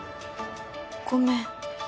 ごめん